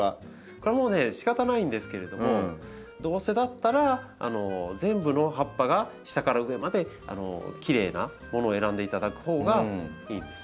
これもうねしかたないんですけれどもどうせだったら全部の葉っぱが下から上まできれいなものを選んでいただくほうがいいんです。